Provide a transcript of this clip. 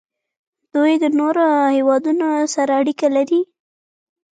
دوی له نورو هیوادونو سره اړیکې لري.